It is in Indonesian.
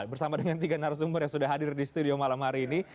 bersama dengan tiga narasumber yang sudah hadir di studio malam hari ini